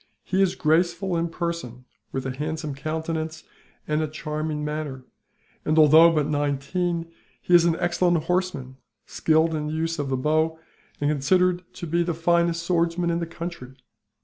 He is graceful in person, with a handsome countenance and a charming manner and, although but nineteen, he is an excellent horseman, skilled in the use of the bow, and considered to be the finest swordsman in the country.